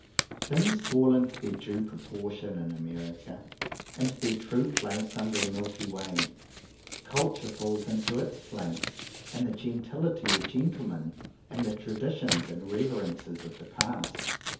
Things fall into their due proportion in America, into their true place under the Milky Way. "Culture" falls into its place, and the gentility of gentlemen, and the traditions and reverences of the past.